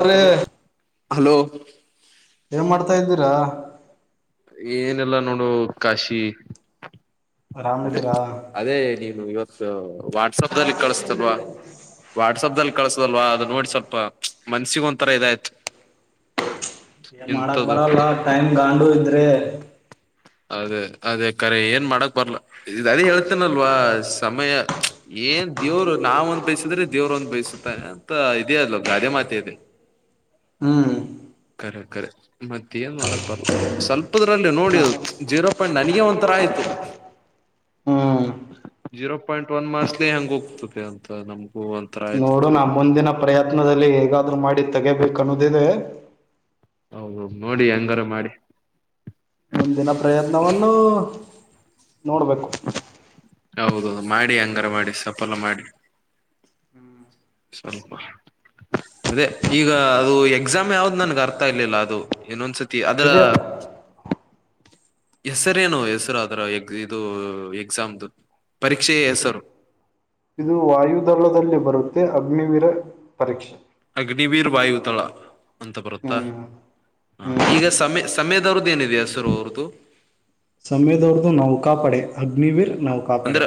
[unintelligible] Hello ಏನ್ [unintelligible] ಏನಿಲ್ಲ ನೋಡೋ ಕಾಶಿ. ಅದೇ ಆರಾಮಿದ್ದೀರಾ ಅದೇ ನೀನು ಇವತ್ತು ವಾಟ್ಸಪದಲಿ ಕಳಸತಲ್ವಾ ವಾಟ್ಸಪದಲಿ ಕಳ್ಸದಲ್ವಾ ಅದು ನೋಡಿ ಸ್ವಲ್ಪ ಚ ಮನ ಸಿವ್ ಒಂಥರ ಇದಾಯ್ತು. ಏನ್ ಮಾಡಕ್ ಇಂಥದ್ದು ಬರಲ್ಲ ಟೈಮ್ ಗಾಂಡು ಇದ್ರೆ [inaudible] ಅದೇ ಅದೇ ಕರೆ ಏನ್ ಮಾಡಕ್ ಬರ್ಲ ಇದ ಅದೇ ಹೇಳ್ತೇನಲ್ವ ಸಮಯ ಏನ್ ದೇವ್ರು ನಾವ ಒಂದ್ ಬಯಸಿದ್ರೆ ದೇವ್ರ್ ಒಂದ್ ಬಯಸುತ್ತ ಅಂತ ಇದೇ ಅಲ್ ಗಾದೆ ಮಾತ ಇದೆ ಹ್ಮ್ ಕರೆ ಕರೆ ಮತ್ತೇನು ಮಾಡಕ್ ಬರಲ್ಲ ಸ್ವಲ್ಪದ್ರಲ್ಲಿ ನೋಡಿ ಅದು ಜೀರೋ ಪಾಯಿಂಟ್ ನನಗ ಒಂಥರ ಆಯ್ತು ಹ್ಮ್ ಜೀರೋ ಪಾಯಿಂಟ್ ಒಂದ ಮಾಸ್ ಹೆಂಗ ಹೋಗ್ತದೆ ಅಂತ ನಮಗೂ ಒಂದ್ ನೋಡು ನಾ ಮುಂದಿನ ಪ್ರಯತ್ನದಲ್ಲಿ ಹೇಗಾದ್ರು ಮಾಡಿ ತೆಗೆಬೇಕಣ್ಣೋದಿದೆ ಹ ನೋಡಿ ಹೆಂಗಾರ ಮಾಡಿ ಮುಂದಿನ ಪ್ರಯತ್ನವನ್ನು ನೋಡ್ಬೇಕು ಹೌದೌದು ಮಾಡಿ ಅಂಗಾರ ಮಾಡಿ ಸಫಲ ಮಾಡಿ ಸ್ವಲ್ಪ ಅದೇ ಈಗ ಅದು ಎಕ್ಸಾಮ್ ಯಾವ್ದ್ ನನ್ಗೆ ಅರ್ಥ ಆಗಲಿಲ್ಲ ಅದು ಏನೊಂದ್ಸತಿ ತಿ ಆದ ಇದೇ ಹೆಸರೇನು ಹೆಸರು ಅ್ರ ಎ ಇದು ಎಕ್ಸಾಮ್ದು ಪರೀಕ್ಷೆಯೇ ಹೆಸರು ಇದು ವಾಯುುದಳದಲ್ಲಿ ಬರುತ್ತೆ ಅಗ್ನಿವೀರ ಪರೀಕ್ಷೆ ಅಗ್ನಿವೀರ್ ವಾಯು ತಳ ಅಂತ ಬರುತ್ತಾ ಹ್ಮ್ ಹ್ಮ್ ಹ ಈಗ ಸಮಯ ಸಮಯದ ಅವ್ರದ್ದು ಏನಿದೆಯ ಎಸರು ಅವ್ರ್ದು ಸಮಯದವ್ರದ್ದು ನೌಕಾಪಡೆ ಅಗ್ನಿವೀರ್ ನೌಕಾಪಡೆ ಅಂದ್ರೆ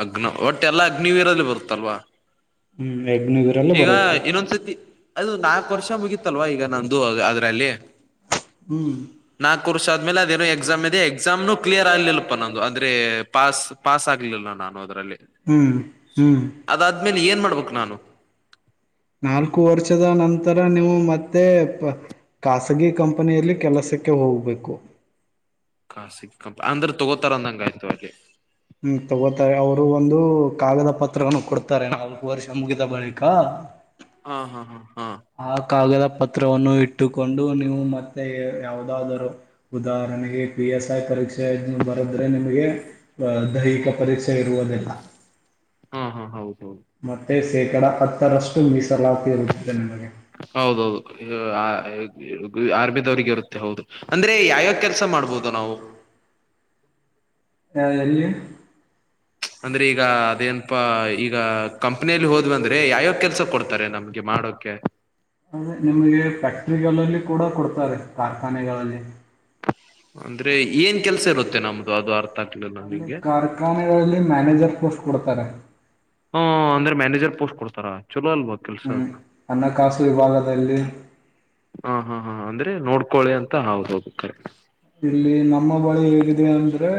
ಅಗ್ನ ಒಟ್ಟೆ ಎಲ್ಲಾ ಅಗ್ನಿವೀರದಲ್ಲಿ ಬರುತ್ತಲ್ವಾ ಹ್ಮ್ ಅಗ್ನಿವೀರಲ್ಲಿ ಈಗ ಬರುತ್ತೆ ಇನ್ನೊಂದ್ಸತಿ. ಅದು ನಾಲ್ಕು ವರ್ಷ ಮುಗಿತ್ತಲ್ವಾ ಈಗ ನಂದು ಅದೇ ಅದ್ ಬೆಲ್ಯ ಹ್ಮ್ ನಾಕು ವರ್ಷ ಆದ್ಮೇಲೆ ಅದೇನೋ ಎಕ್ಸಾಮ್ ಇದೆ ಎಕ್ಸಾಮ್ನು ಕ್ಲಿಯರ್ ಆಗ್ಲಿಲ್ಲಪ್ಪ ನು ನಂದು ಅಂದ್ರೆ ಪಾಸ್ ಪಾಸ್ ಆಗ್ಲಿಲ್ಲ ನಾನು ಹದ್ರೆ ಹ್ಮ್ ಹ್ಮ್ ಅದಾದ್ಮೇಲೆ ಏನ್ ಮಾಡ್ಬೇಕು ನಾನು ನಾಲ್ಕು ವರ್ಷದ ನಂತರ ನೀವು ಮತ್ತೆ ನೀವು ಖಾಸಗಿ ಕಂಪನಿಯಲ್ಲಿ ಕೆಲಸಕ್ಕೆ ಹೋಗಬೇಕು ಖಾಸಿ ಕಂ ಅಂದ್ರೆ ತಗೋತಾರ ಅಂದಂಗಯ್ತು ಅಲ್ಲಿ ಹ್ಮ್ ತಗೋತಾರೆ ಅವ್ರು ಒಂದು ಕಾಗದ ಪತ್ರವನ್ನು ಕೊಡ್ತಾರೆ ನಮ್ಗ ವರ್ಷ ಮುಗಿದ ಬಳಿಕಾ ಹಾ ಹಾ ಹಾ ಹಾದ್ ಕಾಗದ ಪತ್ರವನ್ನು ಇಟ್ಟುಕೊಂಡು ನೀವು ಮತ್ತೆ ಯಾವುದಾದರು ಉದಾಹರಣೆಗೆ ಪಿ ಎಸ್ ಐ ಪರೀಕ್ಷೆ ಬರದ್ರೆ ನಿಮಗೆ ದೈಹಿಕ ಪರೀಕ್ಷೆ ಬೇಡುವರಿಲ್ಲ. ಹಾ ಹಾ ಹಾ ಹೌದೌದು ಮತ್ತೇ ಶೇಕಡ ಹತ್ತರಷ್ಟು ಮೀಸಲಾತಿ ಇರುತ್ತದೆ ನಮಗೆ. ಹೌದೌದು [inaudible] ಆರ್ಮಿದವ್ರಿಗೆ ಇರುತ್ತೆ ಹೌದು. ಅಂದ್ರೆ ಯಾವ್ಯಾವ್ ಕೆಲ್ಸ ಮಾಡ್ಬೋದು ನಾವು. ಹ ಎಲ್ಲಿ. ಅಂದ್ರೆ ಈಗ ಅದೇನ್ಪಾ ಈ ಗ ಕಂಪ್ನಿಯಲಿ ಹೋದ್ವಂದ್ರೆ ಯಾವ್ಯಾವ ಕೆಲ್ಸ ಕೊಡ್ತಾರೆ ನಮ್ಗೆ ಮಾಡೋಕೆ. ಅಂದ್ರೆ ನಿಮಗೆ ಫ್ಯಾಕ್ಟ್ರಿಗಳಲ್ಲಿ ಕೂಡ ಕೊಡ್ ಕಾರ್ಖಾನೆಗಳಲ್ಲಿ. ಅಂದ್ರೆ ಏನ್ ಕೆಲ್ಸ ಇರುತ್ತೆ ನಮ್ದು ಅದು ಅರ್ಥ ಆಗ್ಲಿಲ್ಲ ಅಲ್ಲಿ ನನಗೆ. ಕಾರ್ಖಾನೆಗಳಲ್ಲಿ ಮ್ಯಾನೇಜರ್ ಪೋಸ್ಟ್ ಕೊಡ್ತಾರೆ ಹೂಂ ಅಂದ್ರೆ ಮ್ಯಾನೇಜರ್ ಪೋಸ್ಟ್ ಕೊಡ್ತ್ ತರ ಹ್ಮ್ ಹಣಕಾಸು ವಿಭಾಗದಲ್ಲಿ ಹಾ ಹಾ ಹಾ ಅಂದ್ರೆ ನೋಡ್ಕೊಳಿ ಅಂತ ಹೌದೌದು ಕರೆಕ್ಟ್. ಇಲ್ಲಿ ನಮ್ಮ ಬಳಿ ಹೇಗಿದೆ ಅಂದ್ರೆ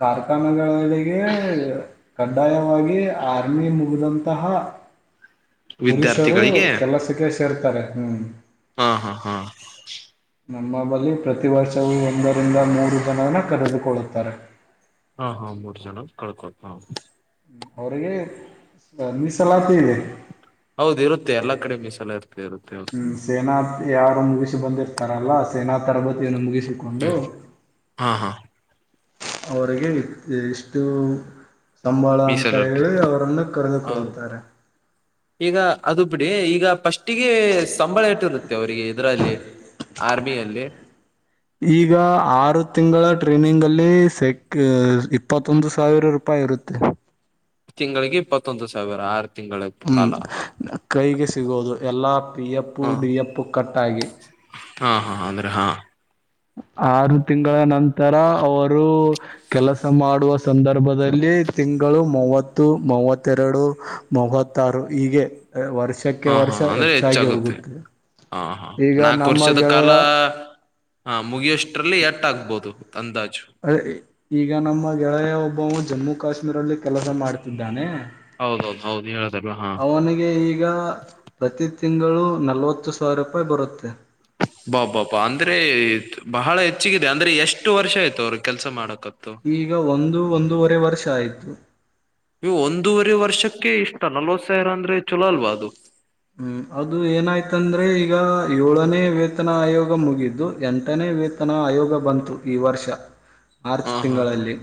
ಕಾರ್ಖಾನೆಗಳಿಗೆ ಕಡ್ಡಾಯವಾಗಿ ಆರ್ಮಿ ಮುಗಿದಂತಹ ಪುರುಷರು ವಿದ್ಯಾರ್ಥಿಗಳಿಗೆ ಕೆಲಸಕ್ಕೆ ಸೇರ್ತಾರೆ. ಹ್ಮ್. ಹಾ ಹಾ ಹಾ. ನಮ್ಮ ಬಲಿ ಪ್ರತಿ ವರ್ಷವೂ ಒಂದರಿಂದ ಮೂರು ಜನವನ್ನ ಕರೆದುಕೊಳ್ಳುತ್ತಾರೆ. ಹಾ ಹಾ ಮೂರ್ ಜನ ಕಳ್ಕೋತಾ ಅವ್ರಿಗೆ ಮೀಸಲಾತಿ ಇದೆ. ಹೌದು ಇರುತ್ತೆ ಎಲ್ಲಾ ಕಡೆ ಮೀಸಲ ಇರ್ತೆ ಇರುತ್ತೆ ಹ್ಮ್ ಸೇನಾ ಯಾರು ಮುಗಿಸಿ ಬಂದಿರ್ತಾರಲ್ಲ ಸೇನಾ ತರಬೇತಿಯನ್ನು ಮುಗಿಸಿಕೊಂಡು. ಹಾ ಹಾ ಅವ್ರಿಗೆ ಇಷ್ಟು ಸಂಬಳ ಅಂತ ಮೀಸಲು ಇರ್ತೆ ಹೇಳಿ ಅವ್ರನ್ನ ಹೌದು ಕರೆದುಕೊಳ್ಳುತ್ತಾರೆ. ಈಗ ಅದು ಬಿಡಿ ಈಗ ಫಸ್ ಟ್ಟಿಗೆ ಸಂಬಳ ಎಟ್ಟಿರುತ್ತೆ ಅವರಿಗೆ ಇದರಲ್ಲಿ. ಆರ್ಮಿಯಲ್ಲಿ. ಈಗಾ ಆರು ತಿಂಗಳ ಟ್ರೈನಿಂಗ್ ಅಲ್ [unintelligible] ಸೆಕ್. ಇಪ್ಪತ್ತೊಂದು ಸಾವಿರ ರೂಪಾಯಿ ಇರುತ್ತೆ. ತಿಂಗಳಿಗೆ ಇಪ್ಪತ್ತೊಂದು ಸಾವಿರ ಆರ್. ಹ್ಮ್ ಕೈಗೆ ಸಿಗೋದು ಎಲ್ಲಾ ಪಿಯಪ್ಪು ಹ ಡಿಯಪ್ಪು ಕಟ್ಟಾಗಿ. ಹಾ ಹಾ ಅಂದ್ರ ಹಾ. ಆರು ತಿಂಗಳ ನಂತರ ಅವರು. ಕೆಲಸ ಮಾಡುವ ಸಂದರ್ಭದಲ್ಲಿ ತಿಂಗಳು ಮೂವತ್ತು ಮೂವತ್ತೆರಡು ಮೂವತ್ತಾರು ಈಗೆ ವರ್ಷಕ್ಕೆ ಹಾ ಹಾ ವರ್ಷ ಅಂದ್ರೆ ಹೆಚ್ಚಾಗಿ ಹೆಚ್ಚಾಗುತ್ತೆ ಹೋಗುತ್ತೆ ಹಾ ಹಾ ಈಗ ನಾಲ್ಕು ನಮ್ಮ ವರ್ಷದ ಗೆಳೆಯ. ಲ್ಲಿ ಎಟ್ಟ ಆಗಬೌದು. ಅ ಇ ಈಗ. ಎ ನಮ್ಮಗೆಳೆಯ್. ಜಮ್ಮು ಕಶ್ಮೀರಲ್ಲಿ. ಕೆಲಸ ಮಾಡ್ತಿದ್ದಾನೆ. ಹೌದೌದ. ಹೌದ ನೀ ಹೇಳ. ಅವನಿಗೆ ಈಗಾ. ಪ್ರತಿ ತಿಂಗಳು ನಲವತ್ತು ಸಾವಿರ ರೂಪಾಯಿ ಬರುತ್ತೆ. ಬಾ ಬಾಪಾ ಅಂದ್ರೆ ಬಹಳ ಹೆಚ್ಚಗಿದೆ ಅಂದ್ರೆ ಎಷ್ಟು ವರ್ಷ ಆಯ್ತು ಅವರ ಕೆಲ್ಸ ಮಾಡಕ್. ಈಗ ಒಂದು ಒಂದೂವರೆ ವರ್ಷಾಯಿತು. ವು ಒಂದೂವರೆ ವರ್ಷಕ್ಕೆ ಇಷ್ಟ ನಲವತ್ತು ಸಾವಿರ ಅಂದ್ರೆ ಚಲೋ ಅಲ್ವಾ ಅದು. ಹ್ಮ್ ಅದು ಏನೈತಂದ್ರೆ ಈ. ಈಗ ಏಳನೇ ವೇತನ ಆಯೋಗ ಮುಗಿದು ಎಂಟನೇ ವೇತನ ಆಯೋಗ ಬಂತು ಈ ವರ್ಷ. ಮಾರ್ಚ್ ಹಾ ಹಾ ಹಾ ತಿಂಗಳಲ್ಲಿ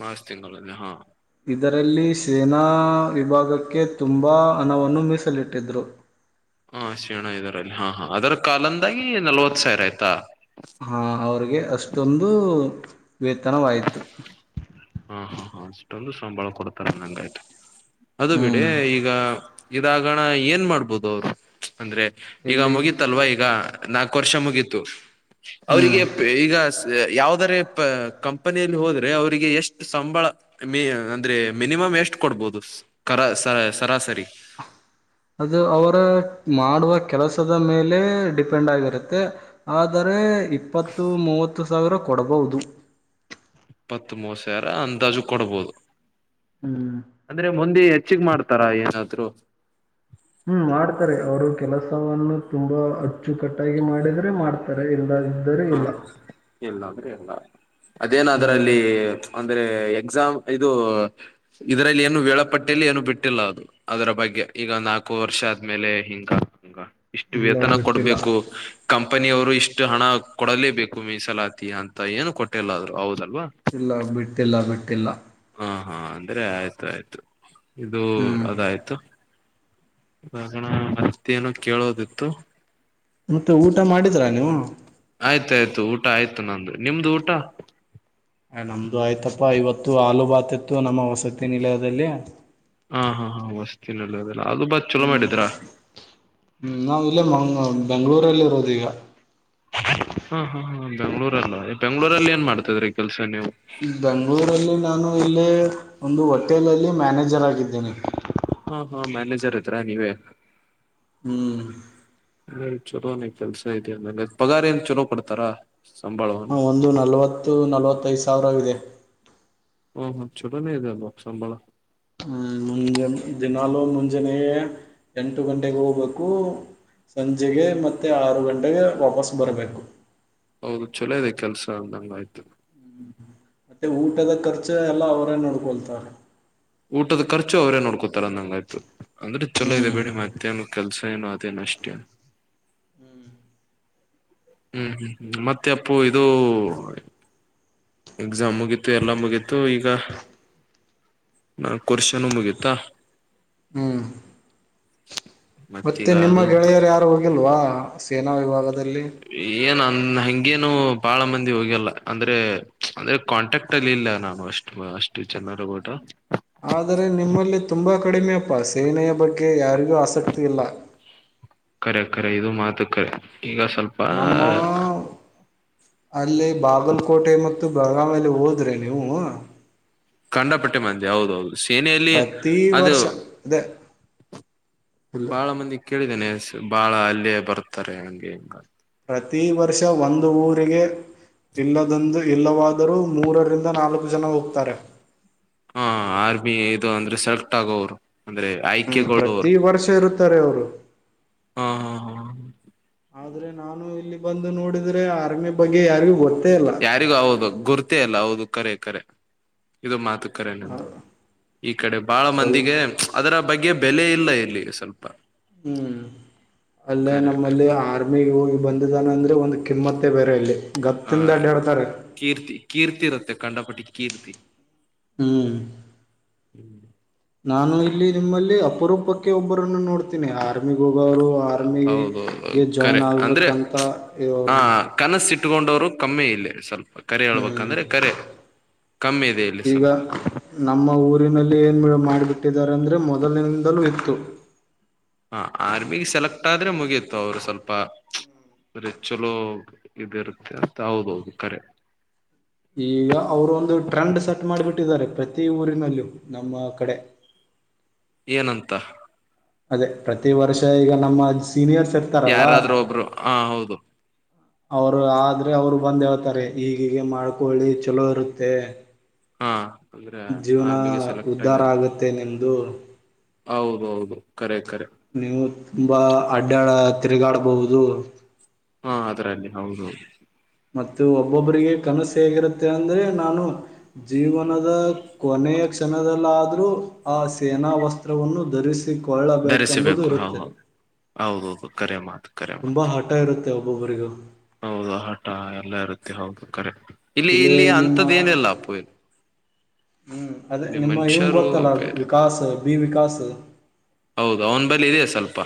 ಮಾರ್ಚ್ ತಿಂಗಳಲ್ಲಿ ಹಾ. ಇದರಲ್ಲಿ ಸೇನಾ ವಿಭಾಗಕ್ಕ. ಕೆ ತುಂಬಾ ಹಣವನ್ನು ಮೀಸಲಿಟ್ಟಿದ್ರು. ಹ ಶೇಣ ಇದರಲ್ಲಿ ಹಾ ಹಾ ಅದರ ಕಾಲಂದಾಗಿ ನಲ್ವತ್ ಸಾವಿರೈತಾ. ಹಾ ಅವ್ರಿಗೆ ಅಷ್ಟೊಂದು. ವೇತನವಾಯಿತು. ಹಾ ಹಾ ಹಾ ಅಷ್ಟೊಂದು ಸಂಬಳ ಕೊಡ್ತಾರ ಅಂದಂಗಾಯ್ತು. ಅದು ಬಿಡೆ ಹ್ಮ್ ಈಗ. ಇದಾಗಣ ಏನ್ ಮಾಡ್ಬೋದು ಅವರು. ಅಂದ್ರೆ ಈಗ ಎಲ್ಲಿ ಮುಗಿತಲ್ವಾ ಈಗ ನಾಕ್ ವರ್ಷ ಮುಗೀತು ಅವರಿಗೆ ಹ್ಮ್ ಈಗ ಸ ಯಾವದಾರೆ ಪ ಕಂಪನಿಯಲ್ಲಿ ಹೋದ. ಅವರಿಗೆ ಎಷ್ಟ. ಸಂಬಳ ಮೆ ಅಂದ್ರೆ ಮಿನಿಮಮ್ ಎಷ್ಟು ಕೊಡ್ಬೋದು ಕರ ಸ ಸರಾಸರಿ. ಅದು ಅವರ ಮಾಡುವ ಕೆಲಸದ ಮೇಲೆ ಡಿಪೆಂಡ್ ಆಗಿರುತ್ತೆ ಆದರೆ ಇಪ್ಪತ್ತು ಮೂವತ್ತು ಸಾವಿರ ಕೊಡಬಹುದು. ಇಪ್ಪತ್ ಮೂವತ್ತು ಸಾವಿರ ಅಂದಾಜು ಕೊಡ್ಬೋದು. ಹ್ಮ್ ಅಂದ್ರೆ ಮುಂದೆ. ಹೆಚ್ಚಿಗೆ ಮಾಡ್ತಾರಾ ಏನಾದ್ರು. ಹ್ಮ್ ಮಾಡ್ತಾರೆ ಅವರು ಕೆಲಸವನ್ನು. ತುಂಬಾ ಅಚ್ಚುಕಟ್ಟಾಗಿ ಮಾಡಿದ್ರೆ ಮಾಡ್ತಾರೆ ಇಲ್ಲ ಇದ್ದರೆ ಹ ಇಲ್ಲ ಇಲ್ಲ ಅಂದ್ರೆ ಇಲ್ಲ ಅದೇನ ಅದ್ರಲ್ಲಿ ಅಂದ್ರೆ. ಎಕ್ಸಾಮ್ ಇದು. ಇದರಲ್ಲಿ ಏನು ವೇಳಾಪಟ್ಟಿಯಲ್ಲಿ ಏನು ಬಿಟ್ಟಿಲ್ಲ ಅದು. ಅದರ ಬಗ್ಗೆ ಈಗ ನಾಲ್ಕು ವರ್ಷ ಆದ್ಮೇಲೆ ಹಿಂಗ ಹಂಗ ಹ. ಇಲ್ಲ ವೇತನ ಬಿಟ್ಟಿಲ್ಲ ಕೊಡ್ಬೇಕು ಕಂ ಕಂಪನಿಯವರು ಇಷ್ಟು ಹಣ ಕೊಡಲೇಬೇಕು ಮೀಸಲಾತಿ ಅಂತ ಏನು ಕೊಟ್ಟಿಲ್ಲಾ ಅವ್ರ ಹೌದ. ಇಲ್ಲ ಬಿಟ್ಟಲ್ಲ ಬಿಟ್ಟ. ತಿಲ್ಲ ಹಾ ಹಾ ಅಂದ್ರೆ ಆಯ್ತು ಆಯ್ತು. ಇದು ಹ್ಮ್ ಅದಾಯ್ತು. ಹಣ ಅತಿ ಏನೋ ಕೇಳೋದಿತ್ತು. ಮತ್ತೆ ಊಟ ಮಾಡಿದ್ರಾ ಆಯ್ತಾಯ್ತು ಊಟ ಆಯ್ತು. ನಂದು ನಿಮ್ದು ಊಟ ಆ ನಮ್ದು ಆಯ್ತಪ್ಪ ಇವತ್ತು. ತ್ತು ಆಲೂ ಬಾತ್ ಇತ್ತು ನಮ್ಮ ಓಸು. ಹಾ ಹಾ ಹಾ ಮಸ್ತತಿ ನಲ್ಲಿ. ಹ್ಮ್ ಹ್ಮ್ ನಾವ ಇಲ್ಲೇ ಮಂಗ ಬೆಂಗಳೂರಲ್ಲಿ ಇರೋದ ಈಗ. ಹಾ ಹಾ ಹ ಬೆಂಗ್ಳೂರಲ್ಲ ಬೆಂಗ್ಳೂರಲ್ಲಿ ಏನ್ ಮಾಡ್ತದ್ರೀ ಈ ಕೆಲ್ಸ ನೀವು. ಬೆಂಗಳೂರಲ್ಲಿ ನಾನು ಇಲ್ಲಿ ಒಂದು ಹೋಟೆಲಲ್ಲಿ ಮ್ಯಾನೇಜರ್ ಆಗಿದ್ದೇನೆ. ಹಾ ಹಾ ಮ್ಯಾನೇಜರ್ ಇದ್ರಾ ನೀವೇ. ಹ್ಮ್ ಚಲೋನ ಕೆಲ್ಸ ಇದೆಯಲ್ಲ ಅಂಗಾರ್ ಪಗಾರ್ ಏನ್. ಚಲೋ ಕೊಡ್ತಾರಾ. ಹಾ ಒಂದು ನಲ್ವತ್ತು ನಲ್ವತ್ತೈದ್ ಸ್ ಸಾವಿರ ಇದೆ. ಹ್ಮು ಹ್ಮು ಚುಲೋ ನೇ ಇದೆ ಅಲ್ವಾ ಸಂಬಳ. ಹ್ಮ್ ಮುಂಜೆ ದಿನಾಲೂ ಮುಂಜೆನೆ ಏನ್ ಎಂಟು ಗಂಟೆಗೆ ಹೋಗ್ಬೇಕು ಸಂಜೆಗೆ ಮತ್ತೆ ಆರು ಗಂಟ್ ಗೆ ವಾಪಸ್ ಬರ್ಬೇಕು. ಹೌದು ಚೊಲೋ ಇದೆ ಕೆಲ್ಸ ಅಂದಂಗಾಯ್ತು. ಮತ್ತೆ ಊಟದ ಖರ್ ಚ ಎಲ್ಲ ಅವರೇ ನೋಡ್ಕೊಳ್ತಾರ. ಊಟದ ಖರ್ಚು ಅವರೇ ನೋಡ್ಕೋತಾರನ್ನಂಗಾಯ್ತು. ಅಂದ್ರೆ ಚುಲೋ ಇದೆೇ ಹ್ಮ್. ಬಿಡಿ ಮತ್ತೇನ ಕೆಲ್ಸ. ಏನು ಅದೇನಷ್ಟೇನ್ ಹ್ಮ್ ಹ್ಮ್ ಹ್ಮ್ ಮತ್ತೆ ಅಪ್ಪು ಇದು ಎಕ್ಸಾಮ್ ಮುಗೀತು ಎಲ್ಲ ಮುಗೀತು ಈಗ ನಾಲ್ಕ ವರ್ಷಾನು ಮುಗೀತಾ. ಹ್ಮ್. [inaudible] ಮತ್ತೆ ನಿಮ್ಮ ಅದು ಗೆಳೆಯರ್ ಯಾರು ಹೋಗಿಲ್ವಾ. ನಾ ವಿಭಾಗ ಏನ್ ಅಂದ್ ಹೆಂ ಗೇನು ಬಾಳ ಮಂದಿ ಹೋಗೇಲ್ಲ ಅಂದ್ರೆ, ಅಂದ್ರೆ ಕಾಂಟ್ಯಾಕ್ಟ್ ಅಲ್ಲಿ ಇಲ್ಲ ನಾನು ಅಷ್ಟ್ ಅಷ್ಟು ಜನರಗೂಡ. ಆದರೆ ನಿಮ್ಮಲ್ಲಿ ತುಂಬಾ ಕಡಿಮೆಯಪ್ಪ ಸೇನೆಯ ಬಗ್ಗೆ ಯಾರಿಗೂ ಆಸಕ್ತಿ ಇಲ್ಲ. ಕರೆ ಕರೆ ಇದು ಮಾತು ಕರೆ. ಈಗ ಸ್ವಲ್ಪ ನಮ್ಮ ಅಲ್ಲಿ ಬಾಗಲಕೋಟೆ ಮತ್ತು ಬೆಳಗಾವಿಯಲ್ಲಿ ಹೋದ್ರೆ ನೀವು ಕಂಡ ಪಟ್ಟೆ ಮಂದಿ ಹೌದೌದು. ಸೇನೆಯಲ್ಲಿ ಪ್ರತಿ ಅದು ವರ್ಷ ಅದೇ ಫುಲ್ ಬಾಳ ಮಂದಿ ಕೇಳಿ ನೆ ಬಾಳ ಅಲ್ಲೇ ಬರ್ತಾರೆ ಹಂಗೆ ಹಿಂಗ ಪ್ರತಿ ವರ್ಷ ಒಂದು ಊರಿಗೆ [inaudible] ಇಲ್ಲದೊಂದು ಇಲ್ಲವಾ ದರು ಮೂರರಿಂದ ನಾಲ್ಕು ಜನ ಹೋಗ್ತಾರೆ. ಹಾ ಆರ್ಮಿ ಇದು ಅಂದ್ರೆ ಸೆಲೆಕ್ಟ್ ಆಗೋರು. ಹ್ಮ್ ಪ್ರತಿ ವರ್ಷ ಇರುತ್ತಾರೆ ಅವರು. ಹಾ ಹಾ ಹಾ ಆದ್ರೆ ನಾನು ಇಲ್ಲಿ ಬಂದು ನೋಡಿದ್ರೆ ಆರ್ಮಿ ಬಗ್ಗೆ ಯಾರಿಗೂ ಗೊತ್ ಯಾರಿಗೂ ಹೌದು ಗುರ್ತೆ ಇಲ್ಲ ಹೌದು. ಕರೆ ಕರೆ ಇದು ಮಾತು ಕರೆನು ಈ ಕಡೆ ಬಾಳ ಸ್ವಲ್ಪ ಮಂದಿಗೆ ಅದರ ಬಗ್ಗೆ ಬೆಲೆ ಇಲ್ಲ ಇಲ್ಲಿ ಸ್ವಲ್ಪ. ಹ್ಮ್ ಅಲ್ಲೇ ಕರೆ ಕರೆ ನಮ್ಮಲ್ಲಿ ಆರ್ಮಿ ಹೋಗಿ ಬಂದಿದ್ದಾನ ಅಂದ್ರೆ ಒಂದು ಕಿಮ್ಮತ್ತೆ ಬೇರೆ ಇಲ್ಲಿ ಹ ಗತ್ತಿಂದ ಅಡ್ಡಾಡ್ತಾರೆ. ಕಂಡಾಪಟ್ಟಿ ಕೀರ್ತಿ. ಹ್ಮ್. ಹ್ಮ. ನಾನು ಇಲ್ಲಿ ನಿಮ್ಮಲ್ಲಿ ಅಪರೂಪಕ್ಕೆ ಒಬ್ ಒಬ್ಬರನ್ನು ನೋಡ್ತೀನಿ. ಆರ್ಮಿಗೆ ಹೋಗೋರು ಹೌದೌದು ಆರ್ಮಿಗೆ ಕರೆ ಜಾಯ್ನ್ ಅಂದ್ರೆ ಆಗ್ಬೇಕಂತ ಇರೋರು ಇಟ್ಕೊಂಡೋರು ಕಮ್ಮಿ ಇಲ್ಲಿ ಸ್ವಲ್ಪ್. ಕರೆ ಹ್ಮ್ ಹೇಳ್ಬೇಕಂದ್ರೆ ಕರೆ. ಕಮ್ಮಿ ಇದೆ ಇಲ್ಲಿ ಈಗ ಸ್ವಲ್ಪ ನಮ್ಮ ಊರಿನಲ್ಲಿ ಏನ್ ಮಾಡ್ಬಿಟ್ಟಿದ್ದಾರೆ ಅಂದ್ರೆ ಮೊದಲಿನಿಂದಲೂ ಇತ್ತು. ಹಾ ಆರ್ಮಿಗೆ ಸೆಲೆಕ್ಟ್ ಆದ್ರೆ ಮುಗೀತು ಅವರು ಸ್ವಲ್ಪ ಚುಲೋ ಇದಿರುತ್ತೆ ಅಂತ ಹೌದೌದು ಕರೆ. ಈಗ ತಿ ಊರಿನಲ್ಲೂ ನಮ್ಮ ಕಡೆ. ಏನಂತ. ಅದೇ ಪ್ರತಿ ವರ್ಷ ಈಗ ನಮ್ಮ ಸೀನಿಯರ್ಸ್ ಇರ್ತಾರಲ್ಲ ಯಾರಾದ್ರೂ ಒಬ್ರು ಹಾ ಹೌದು. ಅವ್ರು ಆದ್ರೆ ಅವ್ರು ಬಂದ್ ಹೇಳ್ತಾರೆ ಈಗೀಗೆ ಮಾಡ್ಕೊಳ್ಳಿ ಚುಲೋ ಇರುತ್ತೆ. ಹಾ ಅಂದ್ರೆ ಜೀವನ ಆರ್ಮಿಗೆ ಸೆಲೆಕ್ಟ್ ಉದ್ಧಾರ ಆಗ್ಯ ಆಗುತ್ತೆ ನಿಮ್ದು. ಹೌದೌದು ಕರೆ. ಕರೆ ನೀವು ತುಂಬಾ ಅಡ್ಡಾಡಾ ತಿರುಗಾಡ್ಬಹುದು. ಹಾ ಅದ್ರಲ್ಲಿ ಹೌದೌದು. ಮತ್ತು ಒಬ್ಬೊಬ್ಬರಿಗೆ ಕನಸು ಹೇಗಿರುತ್ತೆ ಅಂದರೆ ನಾನು ಜೀವನದ ಕೊನೆಯ ಕ್ಷಣದಲ್ಲಾದ್ರೂ ಆ ಸೇನಾ ವಸ್ತ್ರವನ್ನು ಧರಿಸಿಕೊಳ್ಳಬೇಕೆಂಬುದು ಧರಿಸಬೇಕು ಹಾ ಇರುತ್ತೆ. ಹೌದು ಹೌದೌದು ಕರೆ ಮಾತ್ ತುಂಬಾ ಹಠ ಇರು ತ್ತೆ ಒಬ್ಬೊಬ್ಬರಿಗೂ. ಹೌದು ಹಠ ಎಲ್ಲ ಇರುತ್ತೆ ಹೌದು ಕರೆ. ಇಲ್ಲಿ ಇಲ್ಲಿ ಅಂತದ್ದ ಏನಲ್ಲ ಅಪ್ಪು ಇಲ್ಲಿ. ಹ್ಮ್ ಅದೇ ಇಲ್ಲಿ ನಿಮ್ಮ ಇವಂಗ ಮನುಷ್ಯರು ಗೊತ್ತಲ್ಲ ಬೇರೆ ವಿಕಾಸ್, ಬಿ ವಿಕಾಸ. ಹೌದು ಅವನ ಬಲ್ಲಿ ಇದೆ ಸ್ವಲ್ಪ.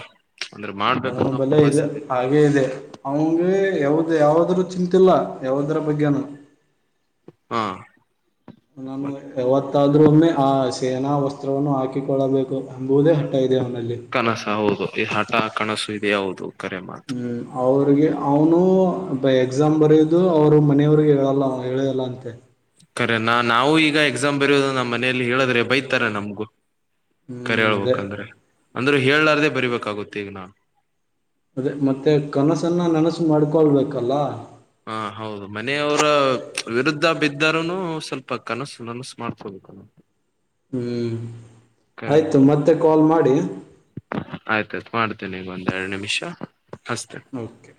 ಅಂದ್ರೆ ಅವನು ಮಾಡ್ಬೇಕನ್ನೋ ಬಲೆ ಹುಮ್ಮಸ್ ಇದೆ ಹಾಗೆ ಇದೆ ಅವನ್ ಯಾವ್ದ ಯಾವಾದ್ರೂ ಚಿಂತಿಲ್ಲ. ಯಾವ್ದರ ಬಗ್ಗೇನು. ಹಾ ನಾನು ಯಾವತ್ತಾದ್ರೂ ಒಮ್ಮೆ ಆ ಸೇನಾ ವಸ್ತ್ರವನ್ನು ಹಾಕಿಕೊಳ್ಳಬೇಕು ಎಂಬುದೇ ಹಠ ಇದೆ ಅವನಲ್ಲಿ. ಕನಸ ಹೌದು ಈ ಹ ಆ ಕನಸು ಇದೆ ಹೌದು. ಕರೆ ಮಾತು ಹ್ಮ್ ಅವ್ರಿಗೆ ಅವ್ನು ಎಕ್ಸಾಮ್ ಬರೇದು ಅವ್ರು ಮನೆಯವ್ರಿಗೆ ಹೇಳಲ್ಲ ಹೇಳೇಇಲ್ಲ ಅಂತೆ. ಕರೇನಾ ನಾವು ಈಗ ಎಕ್ಸಾಮ್ ಬರೆಯೋದ ನಮ್ಮ್ ಮನೆಯಲ್ಲಿ ಹೇಳಿದ್ರೆ ಬೈತಾರೆ ನಮ್ಗು. ಕರೆ ಹ್ಮ್ ಅದೇ ಹೇಳ್ಬೇಕಂದ್ರೆ ಅಂದ್ರೆ ಹೇಳ್ಲಾರ್ದೇ ಬರಿಬೇಕಾಗುತ್ತೆ ಈಗ ನಾ ಅದೇ ಮತ್ತೆ ಕನಸನ್ನ ನನ ಸ್ ಮಾಡ್ಕೊಳ್ಬೇಕಲ್ಲಾ. ಹಾ ಹೌದು ಮನೆಯವರ ವಿರುದ್ಧ ಬಿದ್ ದ್ದರೂನು ಸ್ವಲ್ಪ ಕನಸು ನನಸು ಮಾಡ್ಕೊಬೇಕು. ಹ್ಮ್ ಆಯ್ತು ಮತ್ತೆ ಕಾಲ್ ಮಾಡಿ. ಮಾಡ್ತೇನೆ ಒಂದ್ ಎರಡು ನಿಮಿಷ. ಹಸ್ತೆ ಓಕೆ